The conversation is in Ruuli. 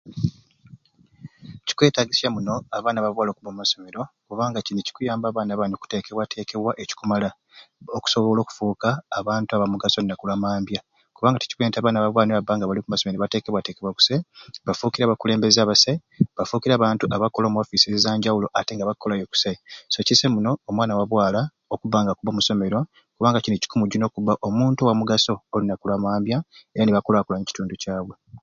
Kikwetagisya muno abaana ba bwaala okubba omu masomero kubanga kini kikuyamba abaana bani okuteekebwateekebwa ekikumala okusobola okufuuka abantu abamugaso olunaku lwa mambya kubanga tukimaite nti abaana ba bwaala nibabba omumasomero nibateekebwateekebwa okusai bafuukire abakulembeze abasai bafuukire abantu abakkola omw'ofiisi za njawulo ate nga bakkolayo kusai. Kisai muno omwana wa bwaala okubba nga akubba okusomero kubanga kini kikumujuna okubba omuntu wa mugaso olunaku olwa mambya era nibakulaakulanya ekitundu kyabwe.